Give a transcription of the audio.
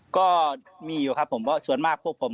ก็มีอยู่ครับผมเพราะส่วนมากพวกผม